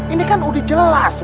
ini kan udah jelas